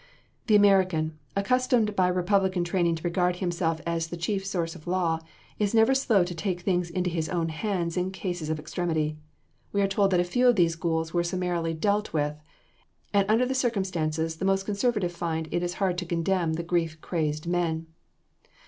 The American, accustomed by republican training to regard himself as the chief source of law, is never slow to take things into his own hands in cases of extremity. We are told that a few of these ghouls were summarily dealt with; and under the circumstances the most conservative find it hard to condemn the grief crazed men.